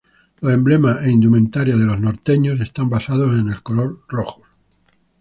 Los emblemas e indumentaria de los Norteños están basadas en el color rojo.